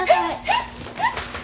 えっ？